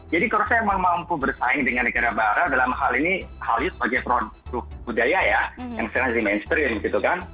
jadi kursal memang mampu bersaing dengan negara barat dalam hal ini hallyu sebagai produk budaya yang sering di mainstream